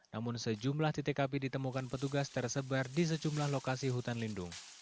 namun sejumlah titik api ditemukan petugas tersebar di sejumlah lokasi hutan lindung